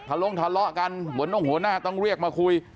ลงทะเลาะกันเหมือนต้องหัวหน้าต้องเรียกมาคุย